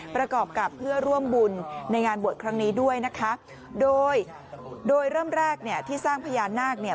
ประกอบกับเพื่อร่วมบุญในงานบวชครั้งนี้ด้วยนะคะโดยโดยเริ่มแรกเนี่ยที่สร้างพญานาคเนี่ย